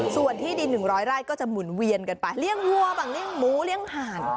ส่วนที่ดิน๑๐๐ไร่ก็จะหมุนเวียนกันไปเลี้ยงวัวบ้างเลี้ยงหมูเลี้ยงห่าน